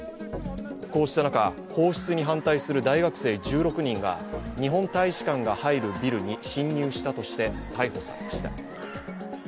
こうした中、放出に反対する大学生１６人が日本大使館が入るビルに侵入したとして逮捕されました。